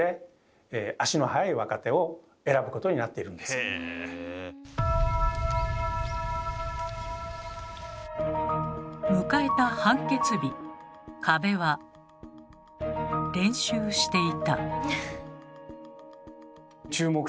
それでも迎えた判決日加部は練習していた。